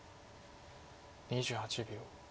２８秒。